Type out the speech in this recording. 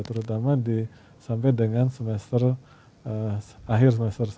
terutama sampai dengan semester akhir semester satu